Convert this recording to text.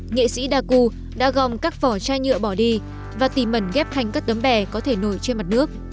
nghệ sĩ daku đã gom các vỏ chai nhựa bỏ đi và tìm mẩn ghép thành các tấm bè có thể nổi trên mặt nước